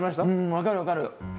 うん、分かる、分かる。